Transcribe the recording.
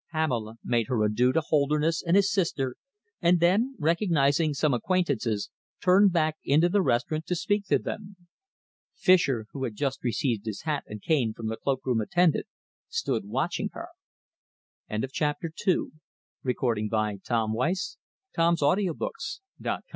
Pamela made her adieux to Holderness and his sister, and then, recognising some acquaintances, turned back into the restaurant to speak to them. Fischer, who had just received his hat and cane from the cloakroom attendant, stood watching her. CHAPTER III Pamela, after a brief conversation with her friends, once